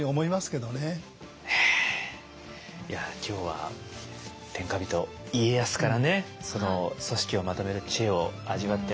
いや今日は天下人家康からね組織をまとめる知恵を味わってまいりましたけれども。